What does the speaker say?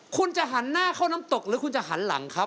คุณจะหันหน้าเข้าน้ำตกหรือคุณจะหันหลังครับ